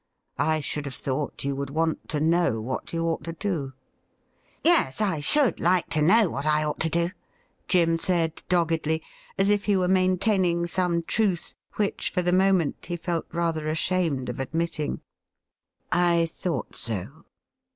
I should have thought you would want to know what you ought to do.' ' Yes ; I should like to know what I ought to do,' Jim said doggedly, as if he were maintaining some truth which, for the moment, he felt rather ashamed of admitting. ' I thought so.